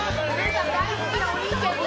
たん大好きなお兄ちゃんが。